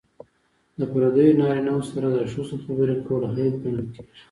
د پردیو نارینه وو سره د ښځو خبرې کول عیب ګڼل کیږي.